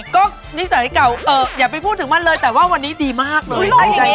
ก็นิสัยเก่าอย่าไปพูดถึงมันเลยแต่ว่าวันนี้ดีมากเลย